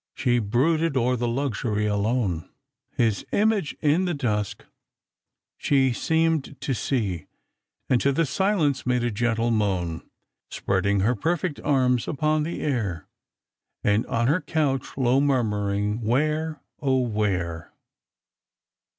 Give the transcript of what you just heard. She brooded o'er the luxury alone : His image in the dusk she seem'd to see, And to the silence made a gentle moan, Spreading her perfect arms upon the air, And on her couch low murmuring, 'Where? where?"